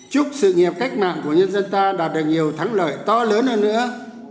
chúc sự nghiệp cách mạng của nhân dân ta đạt được nhiều thắng lợi to lớn hơn nữa